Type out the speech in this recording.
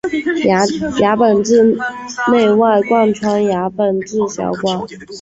牙本质内外贯穿牙本质小管。